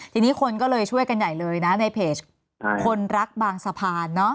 ทีนี้คนก็เลยช่วยกันใหญ่เลยนะในเพจคนรักบางสะพาน